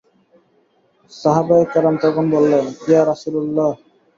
সাহাবায়ে কেরাম তখন বললেন, ইয়া রাসূলাল্লাহ!